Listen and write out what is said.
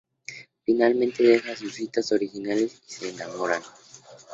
Finalmente, dejan sus citas originales y se enamoran.